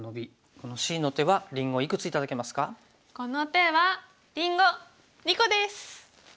この手はりんご２個です！